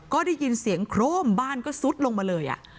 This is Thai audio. ก็ได้ยินเสียงโครมบ้านก็ซุดลงมาเลย